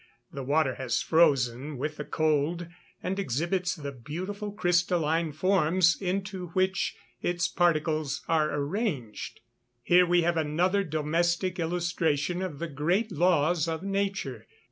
The water has frozen with the cold, and exhibits the beautiful crystalline forms into which its particles are arranged. Here we have another domestic illustration of the great laws of nature.